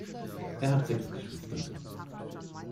Er hat sechs Geschwister.